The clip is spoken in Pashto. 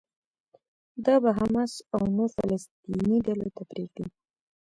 دا به حماس او نورو فلسطيني ډلو ته پرېږدي.